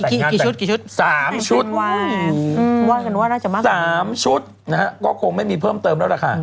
ว่างกันว่าน่าจะมากกว่า๓ชุดก็คงไม่มีเพิ่มเติมแล้วล่ะค่ะ